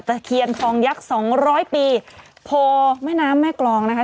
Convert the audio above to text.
ตะเขียนทองยักษ์๒๐๐ปีโพแม่น้ำแม่กรองนะคะ